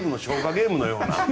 ゲームのような。